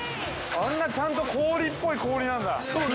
◆こんなちゃんと氷っぽい氷なんだ。